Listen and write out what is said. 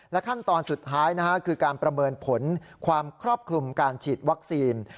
ขั้นตอนสุดท้ายคือการประเมินผลความครอบคลุมการฉีดวัคซีน